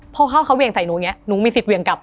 พอเขาเวียงใสหนูงี้หนูมีสิทธิ์เวียงกลับ